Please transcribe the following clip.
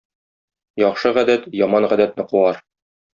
Яхшы гадәт яман гадәтне куар.